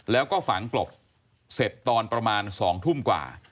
แล้วก็ฝังกลบเสร็จตอนประมาณ๒ทุ่มกว่า